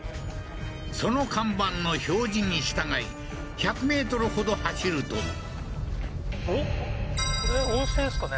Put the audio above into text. その看板の表示に従い１００ｍほど走るとこれ温泉ですかね？